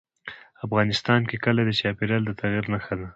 افغانستان کې کلي د چاپېریال د تغیر نښه ده.